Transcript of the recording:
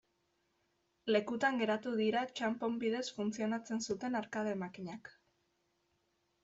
Lekutan geratu dira txanpon bidez funtzionatzen zuten arkade makinak.